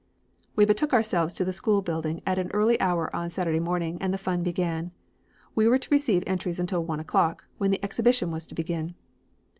"We betook ourselves to the school building at an early hour on Saturday morning and the fun began. We were to receive entries until one o'clock, when the exhibition was to begin.